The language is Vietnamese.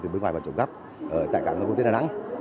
đối bên ngoài và trộm cắp tại cảng hàng không quốc tế đà nẵng